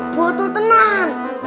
buat tuh tenang